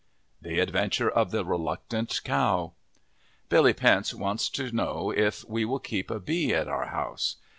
The Adventure of the Reluctant Cow: Billy Pentz wants to know if we will keep a bee at our house.